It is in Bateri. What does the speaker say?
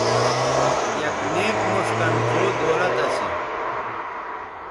یک نیک موݜ کَن ڙھؤ دولت اسی